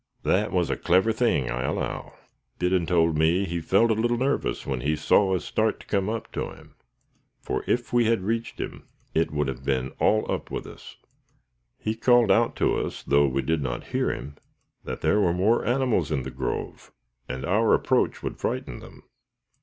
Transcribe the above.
"That was a clever thing, I allow." "Biddon told me he felt a little nervous when he saw us start to come up to him, for, if we had reached him, it would have been all up with us. He called out to us, though we did not hear him, that there were more animals in the grove, and our approach would frighten them.